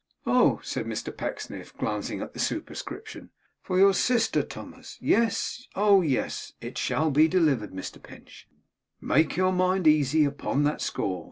'Oh!' said Mr Pecksniff, glancing at the superscription. 'For your sister, Thomas. Yes, oh yes, it shall be delivered, Mr Pinch. Make your mind easy upon that score.